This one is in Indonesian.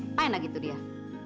apa yang lagi tuh dia